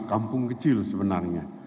kampung kecil sebenarnya